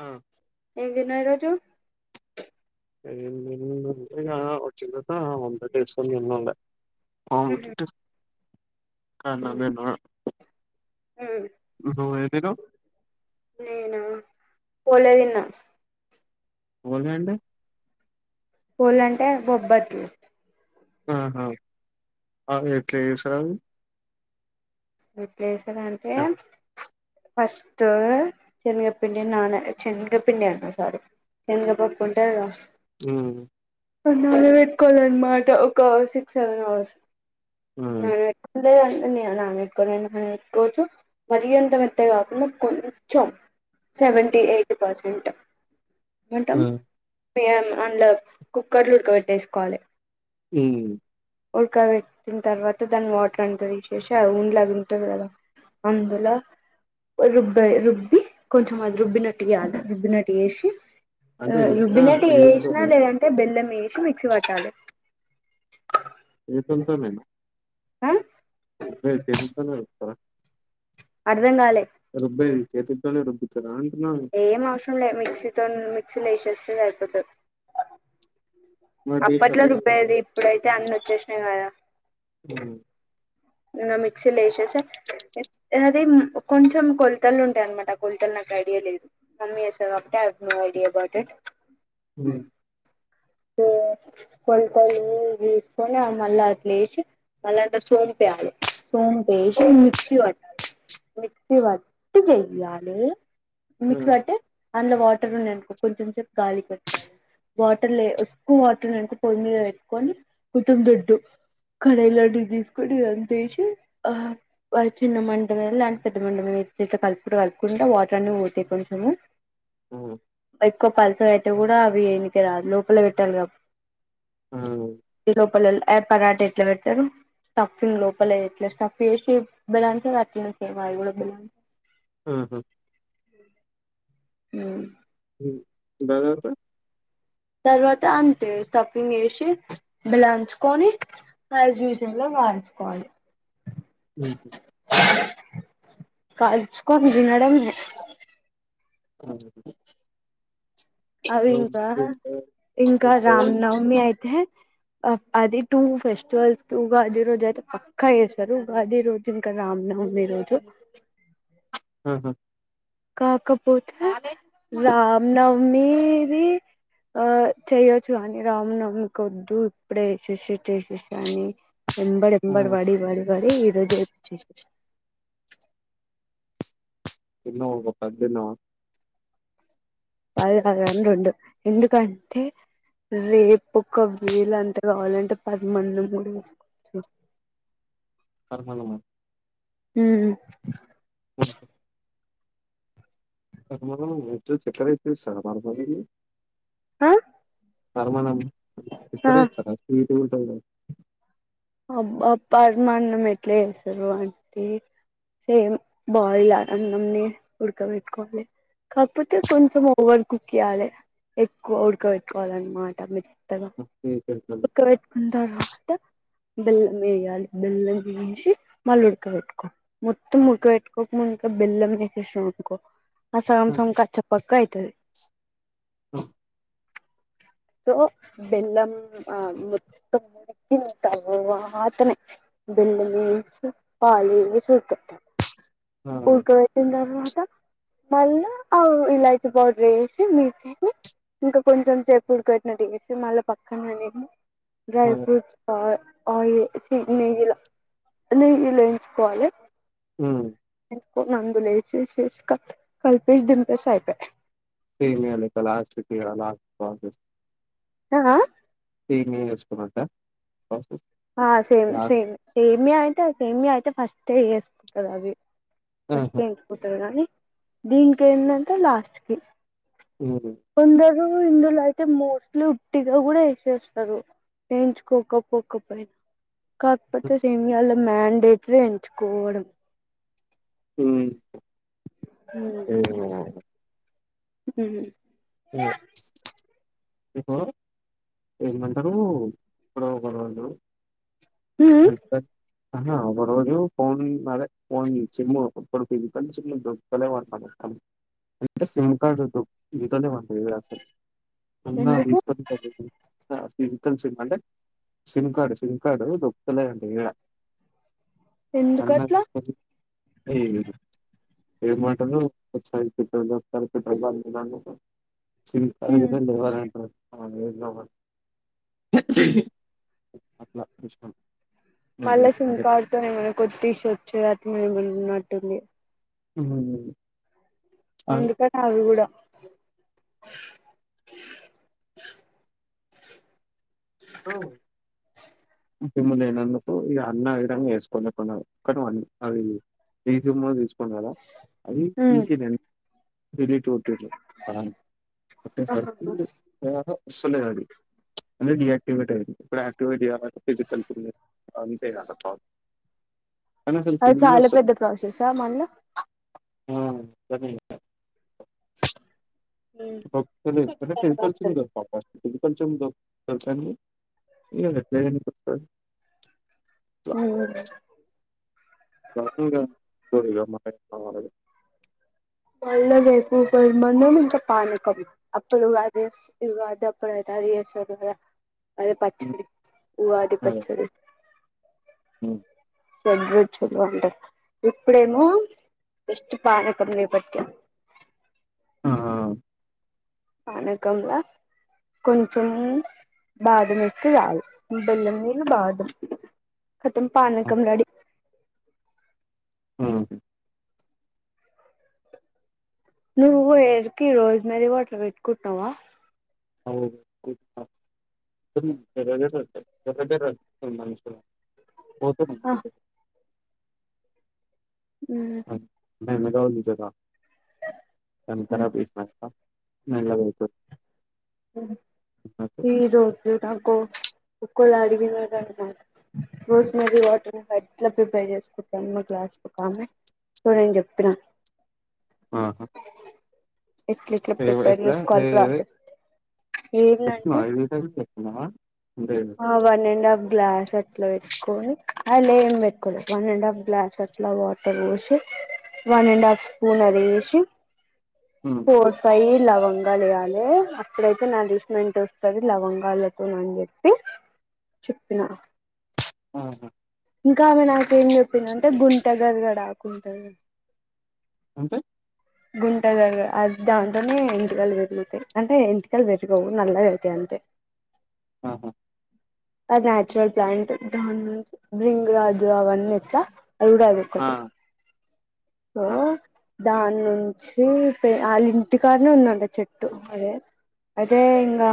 ఆ ఏం తిన్నవ్ ఈరోజు ఏం తిన్నా అంటే ఇగ వచ్చిన తర్వాత వంకాయ తో ఎస్కని థినుండే ఆ ఉహు [unintelligible] ఉహు అన్నం తిన్న ఉమ్ నువ్వు ఏం తిన్నావ్ పోలేదిన్నా పోలే అంటే పోలే అంటే బొప్పట్లు ఆహా అవి ఎట్లా చేస్తారు అవి ఎట్లా చేస్తారు అంటే ఫస్ట్ చెనగపిండి నాణ చెనగపిండి అన్న సారిీ చెనగపప్పు ఉంటది గా ఆ నాన పెట్టుకోవాలి అన్నమాట ఒక సిక్స్ సెవెన్ అవర్స్ ఉమ్ నానబెట్టు పే వస్తున్నాయనా ఆమెకు. [unintelligible] పెట్టుకోవచ్చు మరింత మెత్త కాకుండా కొంచెం సెవెంటీ ఎయిట్ పర్సెంట్ ఏమంటాం ఆ పెనం అందులో కుక్కర్ లో ఉడకబెట్టేసుకోవాలి మ్మ్ ఉడకాబెట్టిన తర్వాత దాన్ని వాటర్ అంత తీసేసి ఆ ఉండ్ల ఉంటాది కదా అందులో రుబ్బయి రుబ్బి కొంచెం అది రుబ్బినట్టు చేేయాలి రుబ్బినట్టు చేేసి అంటే ఎట్లా రుబ్బినటి ఏసినా చేత్తోనా లేదంటే బెల్లం వేసి మిక్స్ పట్టాలి [unintelligible] ఆ ఫ రా [unintelligible] అర్ధం కాలే రుబ్బేది చేతుల తోనే రుబ్బుతారా అంటున్నాను ఏం అవసరం లే మిక్సీతోని మిక్సలో వేసేస్తే సరిపోతాది మరి టేస్ట్ అప్పట్లో అట్టే రుబ్బేది ఇప్పుడైతే అన్ని వచ్చేసినాయి కదా హ్మ్ ఇకా మిక్సీలో వేసేస్తే అది కొంచెం కొలతలు ఉంటాయి అనమాట కొల్తలు నాక్ ఐడియా లేదు మమ్మీ చేస్తాది కాబట్టి అవి కూడా ఐడియా గాట్ ఇట్ హ్మ్ ఆ కొలతలు తీసుకోని అ మల్లాట్లేసి మన అంత సోంప ఎయాలి సోంపు వేసి మిక్సీ పట్టాలి మిక్సి పట్టి చెయాలి ఆ మిక్సి వట్టి అందులో వాటర్ ఉన్నాఅనుకో కొంచెం సేపు గాలికి పెట్టుకోివాలి వాటర్లే ఎక్కువ వాటర్ ఉనాయి అనుకో పొయ్యి మీద పెట్టుకొని కుటుందొడ్డు కరైలా టిజ [unintelligible] కుడ్డీలో అంతా యేసి ఆ చిన్నమంటమీద లే పెద్ద మంటమీద కలుపుకుంటా కలుపుకుంటా అంటే వాటర్ని పోతాయి కొంచము ఆ ఎక్కువ పల్సగా అయితే గూడా అవి ఎయనీకీ రాదు లోపల బెట్టాలి గా ఆ, లోపల పరాట ఎట్లా పెడతారు? స్టఫీ లోపల ఎట్ల స్టఫీ ఏసి బెలాన్ స్తరు అట్లానే సేమ్ ఆ బెలాన్ ఉమ్ హూ ఉమ్. ఉమ్, దాని తర్వాత తర్వాత అంతే స్టఫింగ్ యేసి బెలాంచుకొని యాజ్ య్యూజ్వల్ గా నంచుకోవాలి హు హూ కాల్చుకొని దినడమే ఆ అవి ఇంకా ఇంకా రామనవమి అయితే అది టూ ఫెస్టివల్స్ ఉగాది రోజు అయితే పక్కా జేస్తారు ఉగాది రోజు ఇంకా రామ్ నవమి రోజు ఆహా కాకపోతే రామ్ నవమీది ఆ చేయొచ్చు గాని రామనవమికి వద్దు ఇప్పుడే చేసేసి చేసేసి అని ఎంబడి ఆ! ఎంబడి బడి బడి బడి ఈ రోజు జేపిచేసిన దిన్నవ్ ఒక పది దిన్నవా పది గాదు గాని రెండు ఎందుకంటే రేపు ఒక వేళ అంత గావాలంటే పదిమందం గూడా యేసుకోవచ్చు పరమన్నము ఉమ్. చెక్కడతే స మ [unintelligible] పరమన్నం ఆ ఆ చక్కెర యేస్తరా స్వీటుగుంటది గదా అబ్బ పరమాన్నం ఎట్ల జేస్తరు అంటే సేమ్ బాయిల్ల అన్నంని ఉడుకబెట్టుకోవాలే కాకపోతే కొంచెం ఓవర్ కుక్ ఇయ్యాలి ఎక్కువ ఉడక బెట్టుకోవాలన్నమాట మీరు ఓకే. చెప్తాను. ఉడుకబెట్టుకుం తర్వాత బెల్లం యేయాలి బెల్లం యేసి మళ్ళీ ఉడకబెట్టుకోవాలి మొత్తం ఉడకబెట్టుకోక ముందే బెల్లం యేషేసిన వనుకో ఆ సగం సగం కచ్చా పక్కా అయితది అ తో బెల్లం ఆ మొత్తం ఉడికించాలా వాతనే బిళ్ల్లిమీనించి పాలీ చూతుట్టరు ఆ! ఉడకబెట్టిన తర్వాత మళ్ళా ఇలాయిచీ పౌడర్ యేసి మీద్ కెళ్ళి ఇంకా కొంచెం సేపు ఉడుకబెట్టినట్టు చేసి మళ్ళా పక్కన నేమో డ్రై ఆ! ఫ్రూట్స్ ఆయిల్ చీ నెయ్యిలా నెయ్యిలా ఎంచుకోవాలే హ్మ్. అందులో యేసేసి కల్పేసి దింపేస్తే అయిపాయ్ సేమియా లెక్క లాస్ట్‌కి ఆ లాస్ట్ ప్రాసెస్. ఆ సేమియా చేసుకున్నట్టా ప్రాసెస్ ఆ సేమ్ లాస్ట్ సేమ్ సేమియా అయితే సేమియా అయితే ఫస్టే యేసుకుంటరవి ఆహా! ఫస్టే ఇంకిపోతది కానీ దీనికేందంటే లాస్ట్ కి హు లు ఇందులో అయితే మోస్ట్లీ ఉట్టిగా కూడా వేసేస్తారు వేయించుకోకపోక కాకపోతే ఇండియా లో మండేటరీ ఎంచుకోడం హు మ్ హుమ్ అదే దీపు ఏమంటరు ప్రో ఉమ్. [unintelligible] అహ ఒక రోజు ఫోన్ అదే ఫోన్ సిమ్ము కొడుకుది కానీ సిమ్ములు దొరుకుత లేవంట మొత్తం అంటే సిమ్ కార్డు దో రిటర్న్ ఇవ్వండి మీరు అసలు ఉన్న ఎందుకు తీసుకుని ఫిజికల్ సిమ్ అంటే సిమ్ కార్డు సిమ్ కార్డు దొరుకుతలేదంట ఏడ అన్న ఎందుకట్లా ఏ ఏ మాటలు ట పెట్రోల్ [unintelligible] అవు ఏన్నో అట్లా కష్టం మళ్ళా సింకాడుతోనే ఏమన్నా కొత్తసిొచ్చేది అట్లేమున్నట్టుంది అహ లేదు అందుకని అవి కూడా ఆ సిమ్ము ఇగ అన్ని ఆ విధంగా వేసుకొండి ఎప్పుడన్నా కతం అది ఫ్రీ సిమ్ కూడ తీసుకోన్ కదా అది ఉమ్. తీసి డిలీట్ కొట్టిల్లు ఆ కొట్టేసరికి ఆ వస్తలేదు అది అంటే డియాక్టివేట్ అయింది ఇప్పుడు యాక్టివేట్ కావాలంటే ఫిజికల్స్ ఉ అంతే కద పా అది చాలా పెద్ద ప్రాసెసా మళ్ళ ఆ అట్లనే ఇగ ఉమ్. ఓప్ క లెద్ కొంచెం టైం పడుతది [unintelligible] పాప కొంచెం [unintelligible] ఇగ [unintelligible] హుమ్ గా మ మళ్ళ రేపు కొంత మందేమో ఇంకా పానకం అప్పుడు ఉగాదే స్ ఉగాదప్పుడు ఆ అది చేస్తారు కదా అదే హ్మ్. పచ్చడి ఉగాది పచ్చడి హు షేడ్రుచులు అంటే ఇప్పుడేమో బెస్ట్ పానకం రేపట్ క ఆ పానకంలా కొంచం బాధమేస్తే చాలు బెల్లమున్ను బాధం కతం పానకం రెడీ మ్ హు నువ్ హేర్కి రోజ్ మేరీ వాటర్ పెట్కుంటవా అవ్ పె కుంట కానీ పెరుగనే పెర్ [unintelligible] పోతే మంచిదే హుమ్ మీనా్రౌలి కద దాన్ని కరాబ్ చేసినంక మెల్లగైతది ఈ రోజు నాకు ఒక్కోళ్ళు అడిగినారంట రోజ్ మేరీ వాటర్ ఎట్లా ప్రిపేర్ చేసుకుంటం మా క్లాస్ కరెక్టుగా నేను చెప్పిన ఆహా! పెట్టేట్ల ఏవ ప్రిపేర్ ఎట్లా ఏ చేసుకోలే నేను చెప్పిన లేదండి అయిందని చెప్పిన ఆ వన్ అండ్ హాఫ్ గ్లాస్ అట్లా పెట్టుకొని అ లే ఏం పెట్టుకోలేదు వన్ అండ్ హాఫ్ గ్లాస్ అట్లా వాటర్ పోసి వన్ అండ్ హాఫ్ స్పూన్ అది ఏసి హ్మ్. ఫోర్ ఫైవ్ లవంగాలు వవ్వాలి అప్పుడైతే నా దసినట్ వస్తుంది లవంగాలతో నని చెప్పే చెప్తున్నా ఆహా! ఇంకా ఆమె నా ఏం చెప్పింద అంటే గుంటగరగాడా ఆకుంటుంది అంటే గుంటగడిరాకు అ దాంతోనే ఎంటికలు పెరుగుతాయి అంటే ఎంటికలు పెరగవు నల్లగా అవుతా అంటే ఆహ ఆ న్యాచురల్ ప్లాంట్ బంగ్రాజు అవన్నీ ఎంత ఉన్నది ఆ! అదొక్కటి సో ఆ! దానించి శ్రీ పే ఇంటి కారనే ఉందండ చెట్టు అదే అదే ఇంకా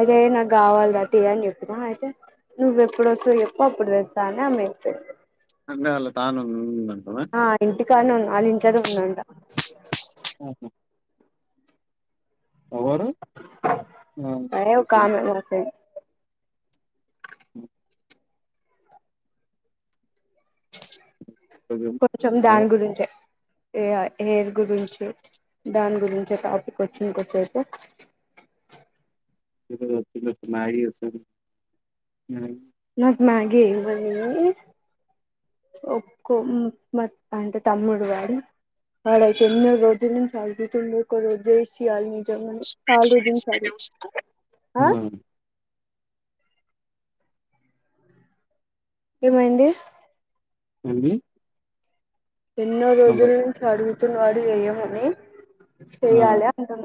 అదే నాకు కావాలి అని చెప్పున అయితే నువ్వు ఎప్పుడు వస్తవు ఎప్పు అప్పుడు తెస్తా అని అమ్ అన్న అల్ తాను ఉండి ఆ ఇంటి కానే ఉ వాళ్ళ ఇంటి కాన్నే ఉందంట ఆహ ఏం మీ కాన్నే ఉంటాయి ఉ కొంచెం అదే దాని గురించే హెయిర్ గురించి దాని గురించి టాపిక్ వచ్చింది కొంతసేపు ఆ ఈరోజు పిల్లలకు మ్యాగీ చేస్తా నాకు మ్యాగీ ఇవ్వండి ఒక్క కో అంటే తమ్ముడు వాడు అడతే చిన్న రోడ్ సాగు ఒక రోల కాళ్లు గుంజు తానే ఆ ఏమైంది అండి ఎన్నో రోజుల నుంచి అడుగుతున్న వాడు చెయ్యమని చెయాలి అంటున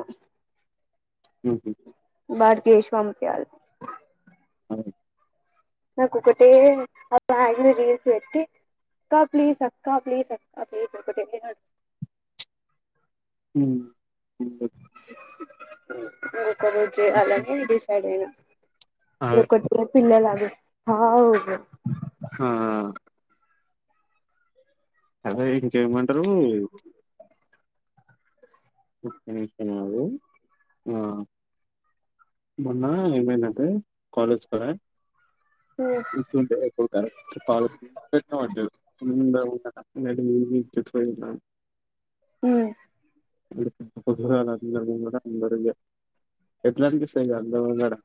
ఉ హ బ్యాగేసి పంపియాలి అదే. నాకు ఒక్కటే అందరి ముంగట అక్క ప్లీస్ అక్క ప్లీస్ అక్క ప్లీస్ ఒక్కటే ఉ కొంచెం కనబడితే అలానే డిసైడ్ అయినా అదే. ఒకటి పిల్లలు హా ఆ హు అదే ఇంకేయమంటారు ముపే నిమిషాలు ఆ మొన్న ఏమైందంటే కాలేజ్ కడా చూస్తుంటే కాలేజీ కాడ ఇప్పుడు అటు పోగుడు తక్కువ అయిందా ఉ పొద్దుగాల అందరు ముంగట అన్నాడు ఎట్లా అనిపిస్తుంది అందరి ముంగట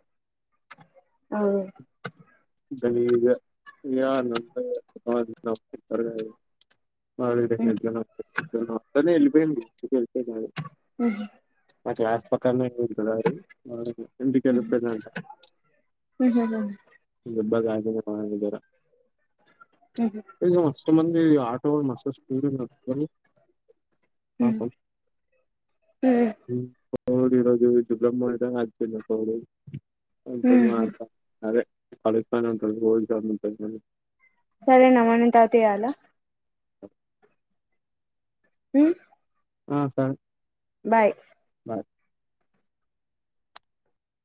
అవు దలీగ నంబప్తిక్క ఎల్లిపోయిండు ఉ మా క్లాస్ పక్కనే పేట్ [unintelligible] దబ్బగాగార ఇ అస్ మంది ఆ చ మసస్ పూ ఉ ఊ పవడి రోజు జుగలమ్ మ రా చే పవడ మాత్ర అ కలుస్తా అన్నటుండు గాదె సరే నమనటాపిలా ఉమ్ ఆ సార్ బాయ్ అ